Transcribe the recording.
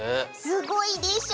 すごいでしょ？